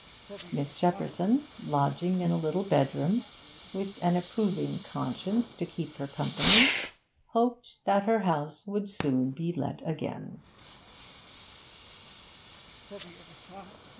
Miss Shepperson, lodging in a little bedroom, with an approving conscience to keep her company, hoped that her house would soon be let again.